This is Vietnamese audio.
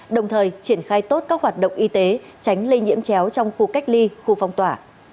đồng thời triển khai tốt các hoạt động y tế tránh lây nhiễm chéo trong khu cách ly khu phong tỏa